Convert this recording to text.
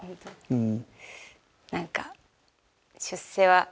うん。